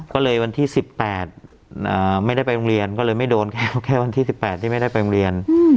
ก็เลยวันที่๑๘ไม่ได้ไปโรงเรียนก็เลยไม่โดนแค่วันที่๑๘ที่ไม่ได้ไปโรงเรียน